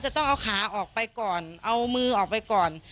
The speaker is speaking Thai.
จะต้องเอาขาออกไปก่อนเอามือออกไปก่อน